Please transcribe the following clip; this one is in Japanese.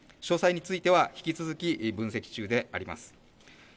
詳細については引き続き分析中であります。